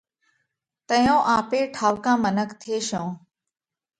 تئيون آپي ٺائُوڪا منک ٿيشون۔